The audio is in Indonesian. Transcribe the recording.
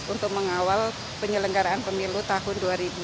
untuk mengawal penyelenggaraan pemilu tahun dua ribu dua puluh